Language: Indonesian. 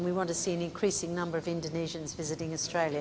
dan kami ingin melihat lebih banyak orang indonesia yang melawat australia